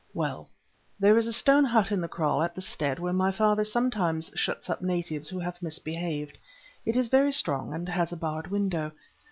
"Well, there is a stone hut in the kraal at the stead where my father sometimes shuts up natives who have misbehaved. It is very strong, and has a barred window.